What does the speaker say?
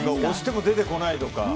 押しても出てこないとか。